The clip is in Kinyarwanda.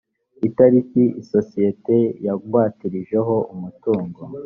itariki isosiyete yagwatirijeho umutungo